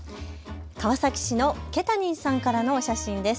川崎市のけたにんさんからの写真です。